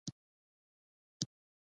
نن یې مور سرتور ښېرې ورته کولې.